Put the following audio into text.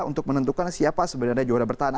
untuk menentukan siapa sebenarnya juara bertahan